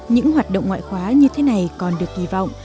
những hoạt động ngoại khóa như thế này còn được kỳ vọng